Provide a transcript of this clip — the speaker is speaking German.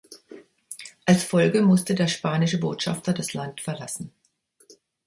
Als Folge musste der spanische Botschafter das Land verlassen.